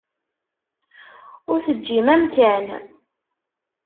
Ur teǧǧim amkan.